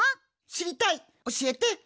しりたいおしえて！